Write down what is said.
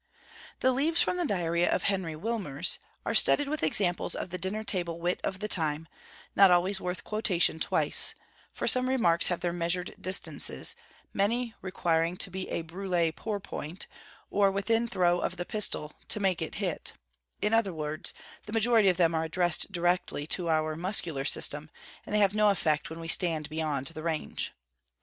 The 'LEAVES FROM THE DIARY OF HENRY WILMERS' are studded with examples of the dinner table wit of the time, not always worth quotation twice; for smart remarks have their measured distances, many requiring to be a brule pourpoint, or within throw of the pistol, to make it hit; in other words, the majority of them are addressed directly to our muscular system, and they have no effect when we stand beyond the range.